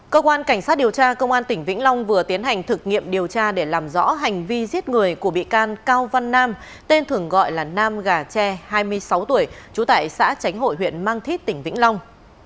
cơ quan cảnh sát điều tra công an tỉnh vĩnh long vừa tiến hành thực nghiệm điều tra để làm rõ hành vi giết người của bị can cao văn nam tên thường gọi là nam gà tre hai mươi sáu tuổi trú tại xã tránh hội huyện mang thít tỉnh vĩnh long